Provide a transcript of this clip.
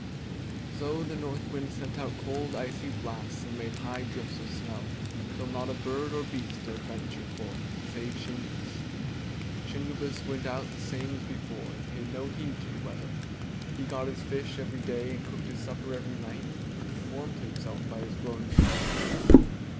So the North Wind sent out cold, icy blasts, and made high drifts of snow, till not a bird or beast dared venture forth — save Shingebiss. Shingebiss went out the same as before and paid no heed to the weather. He got his fish every day and cooked his supper every night and warmed himself by his glowing fire.